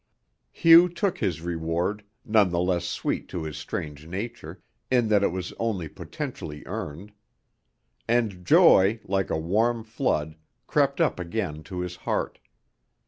Hugh took his reward, none the less sweet to his strange nature, in that it was only potentially earned. And joy, like a warm flood, crept up again to his heart.